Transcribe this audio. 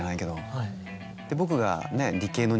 はい。